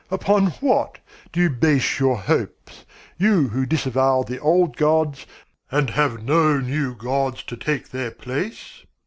Upon what do you base your hopes, you who disavow the old gods and have no new gods to take their place?